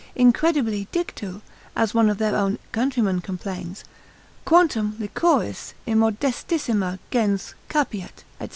Incredibile dictu, as one of their own countrymen complains: Quantum liquoris immodestissima gens capiat, &c.